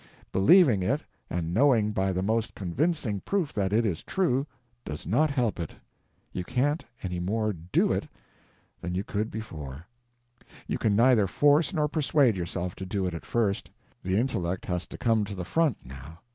Believing it, and knowing by the most convincing proof that it is true, does not help it: you can't any more DO it than you could before; you can neither force nor persuade yourself to do it at first. The intellect has to come to the front, now.